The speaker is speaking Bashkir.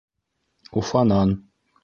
Уфанан.